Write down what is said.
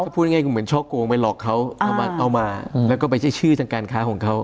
พูดง่ายก็เหมือนช่อโกงไปหลอกเขาเอามาแล้วก็ไปใช้ชื่อทางการค้าของเขา